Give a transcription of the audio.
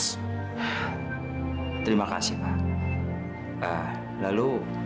silakan di luar